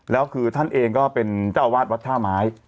แล้วคือท่านเองก็เป็นเจ้าอาวาสวัดท่าไม้